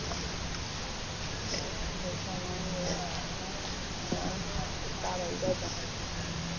毛唇美冠兰为兰科美冠兰属下的一个种。